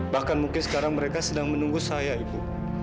bahkan mungkin sekarang mereka sedang menunggu saya ibu